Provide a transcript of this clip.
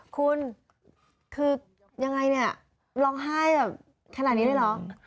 คุณคือยังไงเนี่ยร้องไห้แบบขนาดนี้เลยเหรอ